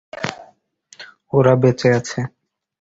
ওরা বেঁচে আছে!